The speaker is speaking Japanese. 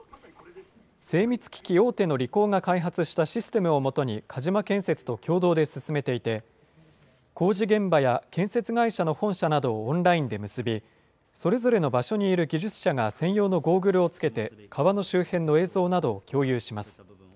精密機器大手のリコーが開発したシステムをもとに、鹿島建設と共同で進めていて、工事現場や建設会社の本社などをオンラインで結び、それぞれの場所にいる技術者が専用のゴーグルをつけて川の周辺の映像などを共有します。